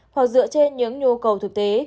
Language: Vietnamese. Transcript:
hoặc dựa trên những nhu cầu thực tế